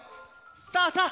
さあさあ